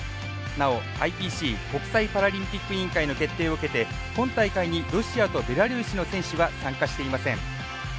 なおＩＰＣ・国際パラリンピック委員会の決定を受けて今大会にロシアとベラルーシの選手は参加していません。